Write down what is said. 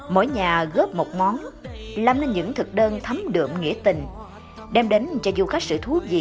mỗi nhà góp một món làm nên những thực đơn thấm đượm nghĩa tình đem đến cho du khách sự thú vị về cộng đồng